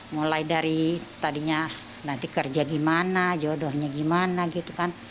mulai dari tadinya nanti kerja gimana jodohnya gimana gitu kan